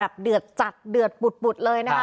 เดือดจัดเดือดปุดเลยนะคะ